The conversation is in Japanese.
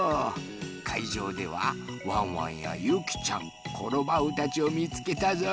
かいじょうではワンワンやゆきちゃんコロバウたちをみつけたぞい。